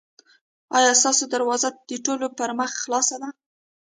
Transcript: ایا ستاسو دروازه د ټولو پر مخ خلاصه ده؟